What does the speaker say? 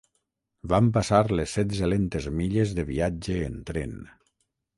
Van passar les setze lentes milles de viatge en tren.